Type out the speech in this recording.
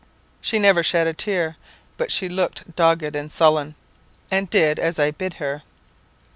"She never shed a tear, but she looked dogged and sullen, and did as I bid her.